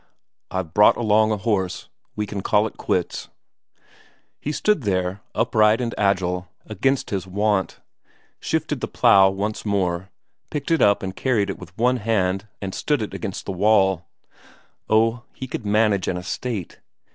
"I've brought along a horse; we can call it quits." He stood there, upright and agile, against his wont; shifted the plough once more, picked it up and carried it with one hand and stood it up against the wall. Oh, he could manage an estate!